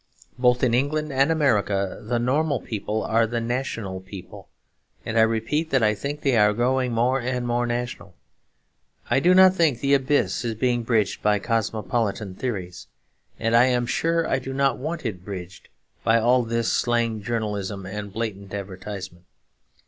Both in England and America the normal people are the national people; and I repeat that I think they are growing more and more national. I do not think the abyss is being bridged by cosmopolitan theories; and I am sure I do not want it bridged by all this slang journalism and blatant advertisement.